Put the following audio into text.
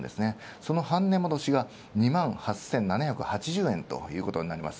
その半値戻しが、２万７８７０円ということになります。